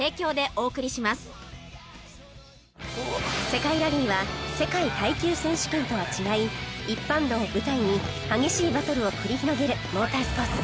世界ラリーは世界耐久選手権とは違い一般道を舞台に激しいバトルを繰り広げるモータースポーツ